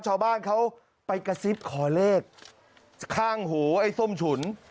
ชาวบ้านเขาไปกระซิบขอเลขข้างหูไอ้ส้มฉุน